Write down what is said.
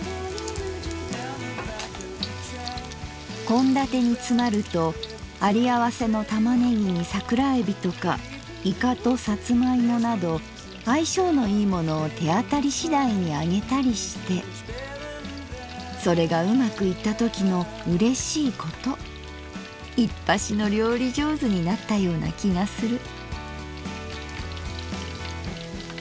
「献立につまるとあり合わせの玉ねぎに桜えびとかいかとさつま芋など合い性のいいものを手当たり次第に揚げたりしてそれがうまくいったときの嬉しいこといっぱしの料理上手になったような気がする」。